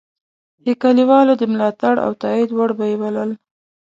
د کلیوالو د ملاتړ او تایید وړ به یې بلل.